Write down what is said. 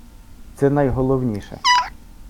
Це найголовніше.